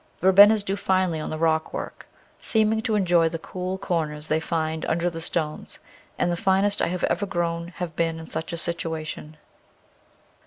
Verbenas do finely on the rockwork, seeming to enjoy the cool cor ners they find under the stones, and the finest I have ever grown have been in such a situation.